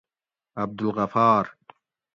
عبدالغفار